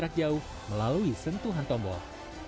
jarak jauh melalui sentuhan tombol